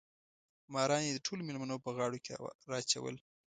ماران یې د ټولو مېلمنو په غاړو کې راچول.